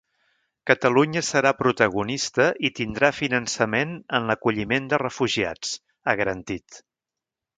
“Catalunya serà protagonista i tindrà finançament en l’acolliment de refugiats”, ha garantit.